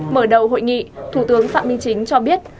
mở đầu hội nghị thủ tướng phạm minh chính cho biết